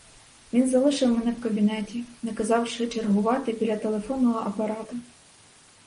Він залишив мене в кабінеті, наказавши чергувати біля телефонного апарата.